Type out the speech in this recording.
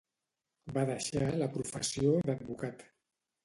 Va deixar la professió d'advocat.